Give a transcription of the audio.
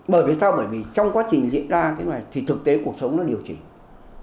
bởi vì sao bởi vì trong quá trình diễn ra thì thực tế cuộc sống nó điều chỉnh